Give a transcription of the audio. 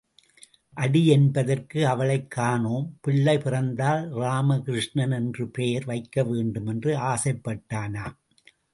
அடி என்பதற்கு அவளைக் காணோம் பிள்ளை பிறந்தால் ராம கிருஷ்ணன் என்று பெயர் வைக்கவேண்டுமென்று ஆசைப் பட்டானாம்.